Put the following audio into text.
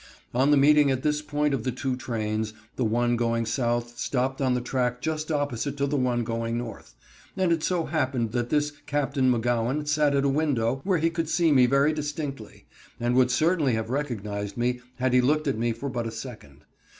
On the meeting at this point of the two trains, the one going south stopped on the track just opposite to the one going north, and it so happened that this Captain McGowan sat at a window where he could see me very distinctly, and would certainly have recognized me had he looked at me but for a second.